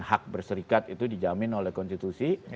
hak berserikat itu dijamin oleh konstitusi